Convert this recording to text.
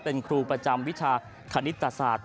เป็นครูประจำวิชาคณิตศาสตร์